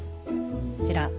こちら。